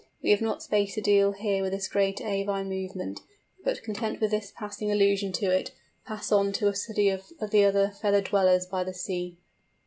We have not space to deal here with this grand avine movement; but, content with this passing allusion to it, pass on to a study of the other feathered dwellers by the sea.